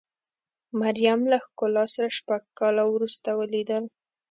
مریم له ښکلا سره شپږ کاله وروسته ولیدل.